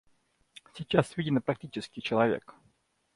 Сейчас виден практический человек.